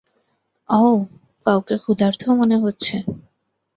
অও, কাউকে ক্ষুধার্ত মনে হচ্ছে।